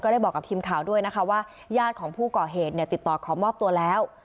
ได้บอกกับทีมข่าวด้วยนะคะว่าญาติของผู้ก่อเหตุเนี่ยติดต่อขอมอบตัวแล้ว